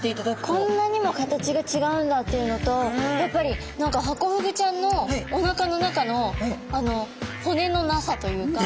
こんなにも形が違うんだっていうのとやっぱり何かハコフグちゃんのおなかの中の骨のなさというか。